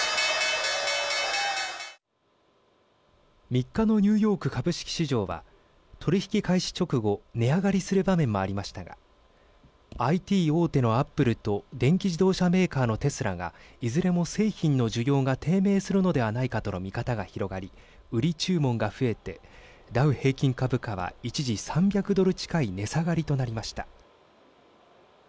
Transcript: ３日のニューヨーク株式市場は取り引き開始直後値上がりする場面もありましたがＩＴ大手のアップルと電気自動車メーカーのテスラがいずれも製品の需要が低迷するのではないかとの見方が広がり売り注文が増えてダウ平均株価は一時３００ドル近い値下がりとなりました。